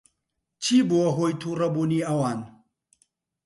چی بووە ھۆی تووڕەبوونی ئەوان؟